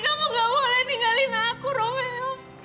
kamu nggak boleh ninggalin aku romeo